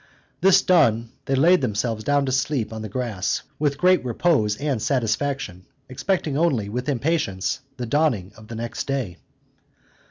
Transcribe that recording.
This done, they laid themselves down to sleep on the grass, with great repose and satisfaction, expecting only, with impatience, the dawning of the next day.